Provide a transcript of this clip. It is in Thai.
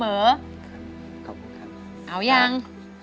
ขอบคุณครับครับโอเคครับเอาอย่าง